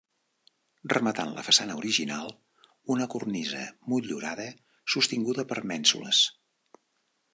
Rematant la façana original, una cornisa motllurada sostinguda per mènsules.